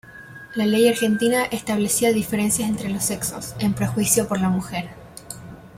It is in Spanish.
La ley argentina establecía diferencias entre los sexos, en perjuicio de la mujer.